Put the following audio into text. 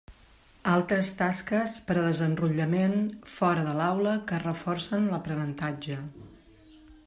Altres tasques per a desenrotllament fora de l'aula que reforcen l'aprenentatge.